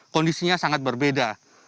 kondisinya sangat berbeda